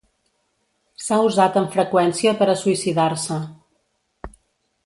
S’ha usat amb freqüència per a suïcidar-se.